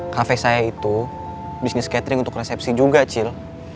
cafe saya itu bisnis catering untuk resepsi juga acil